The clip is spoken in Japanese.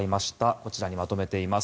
こちらにまとめています。